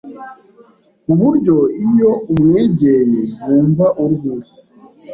kuburyo iyo umwegeye wumva uruhutse,